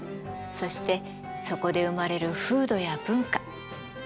そしてそこで生まれる風土や文化。